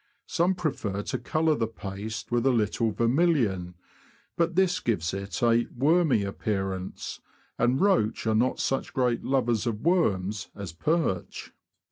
Some prefer to colour the paste with a little ver milion ; but this gives it a ''wormy" appearance, and roach are not such great lovers of worms as perch.